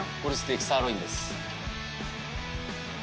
サーロインです。